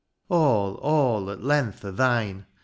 All, all, at length are thine.